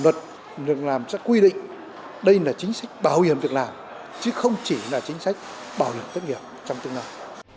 luật việc làm sẽ quy định đây là chính sách bảo hiểm việc làm chứ không chỉ là chính sách bảo hiểm thất nghiệp trong tương lai